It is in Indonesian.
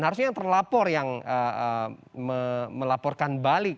harusnya yang terlapor yang melaporkan balik